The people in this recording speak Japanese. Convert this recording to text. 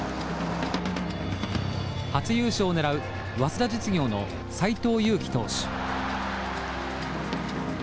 初優勝を狙う早稲田実業の斎藤佑樹投手。